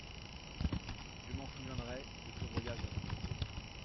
Je m’en souviendrai, de ce voyage à Fontainebleau !…